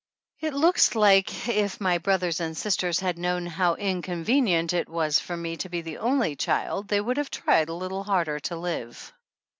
It looks like if my brothers and sisters had known how inconvenient it was for me to be the only child they would have tried a little harder to live.